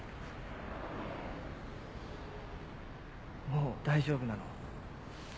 もう大丈夫なの？